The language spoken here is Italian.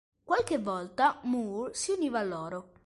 Qualche volta Moore si univa a loro.